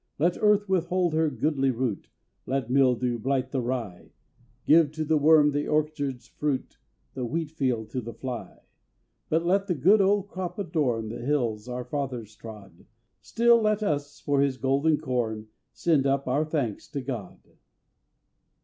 Let earth withhold her goodly root, Let mildew blight the rye, Give to the worm the orchard's fruit, The wheat field to the fly; But let the good old crop adorn The hills our fathers trod; Still let us, for his golden corn, Send up our thanks to God!